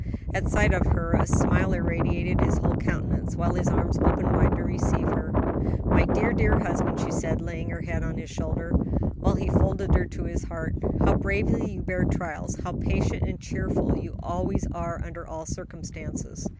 At sight of her a smile irradiated his whole countenance, while his arms opened wide to receive her. "My dear, dear husband!" she said, laying her head on his shoulder, while he folded her to his heart, "how bravely you bear trials; how patient and cheerful you always are under all circumstances."